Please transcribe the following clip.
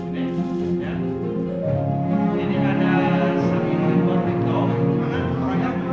di sini ada bapak jombogidodo